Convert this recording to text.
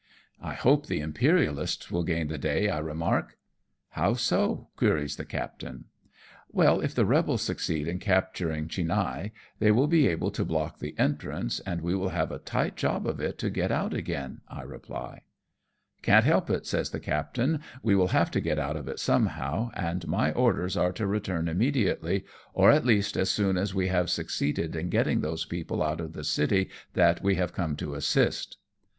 " I hope the Imperialists will gain the day," I remark. " How so ?" queries the captain. "Well, if the rebels succeed in capturing Ohinhae, they will be able to block the entrance, and we will have a tight job of it to get out again," I reply. TO NING'PO. 227 " Can't help it/' says the captain, " we will have to get out of it somehow, and my orders are to return immediately, or at least as soon as we have succeeded in getting those people out of the city that we have come to assist."